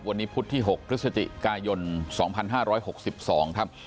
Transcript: วันนี้พุธที่๖พฤศจิกายน๒๕๖๒ครับ